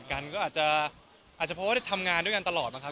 อาจจะเพราะทำงานด้วยกันตลอด